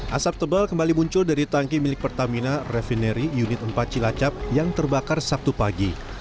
asap tebal kembali muncul dari tangki milik pertamina refinery unit empat cilacap yang terbakar sabtu pagi